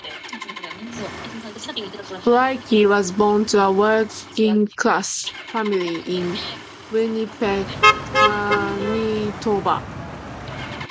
Blaikie was born to a working-class family in Winnipeg, Manitoba.